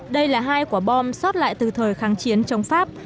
đây là hai quả bom rót lại từ thời kháng chiến trong pháp